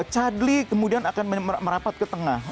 charlie kemudian akan merapat ke tengah